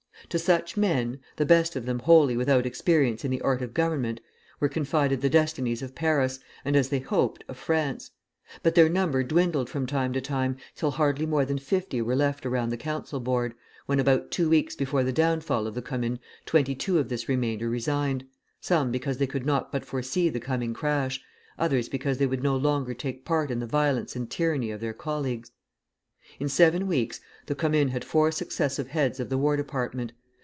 To such men (the best of them wholly without experience in the art of government) were confided the destinies of Paris, and, as they hoped, of France; but their number dwindled from time to time, till hardly more than fifty were left around the Council Board, when about two weeks before the downfall of the Commune twenty two of this remainder resigned, some because they could not but foresee the coming crash, others because they would no longer take part in the violence and tyranny of their colleagues. In seven weeks the Commune had four successive heads of the War Department.